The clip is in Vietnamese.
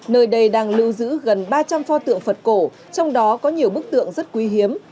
nơi đây đang lưu giữ gần ba trăm linh pho tượng phật cổ trong đó có nhiều bức tượng rất quý hiếm